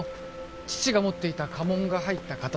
父が持っていた家紋が入った刀は